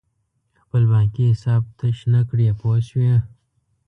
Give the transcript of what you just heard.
خپل بانکي حساب تش نه کړې پوه شوې!.